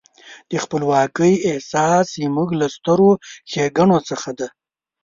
د خپلواکۍ احساس زموږ له سترو ښېګڼو څخه دی.